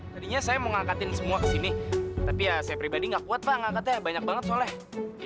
tadinya saya mau ngangkatin semua kesini tapi ya saya pribadi nggak kuat pak ngangkatnya banyak banget soalnya